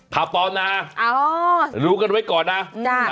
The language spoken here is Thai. ข่าวปลอดนะอ๋อรู้กันไว้ก่อนนะได้